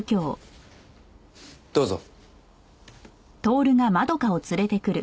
どうぞ。